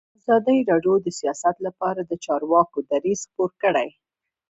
ازادي راډیو د سیاست لپاره د چارواکو دریځ خپور کړی.